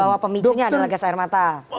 bahwa pemicunya adalah gas air mata